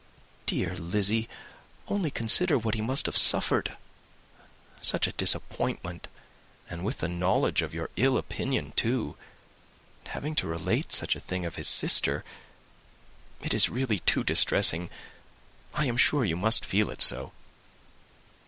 dear Lizzy, only consider what he must have suffered. Such a disappointment! and with the knowledge of your ill opinion too! and having to relate such a thing of his sister! It is really too distressing, I am sure you must feel it so."